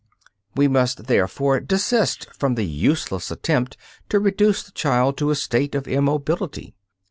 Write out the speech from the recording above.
We must, therefore, desist from the useless attempt to reduce the child to a state of immobility.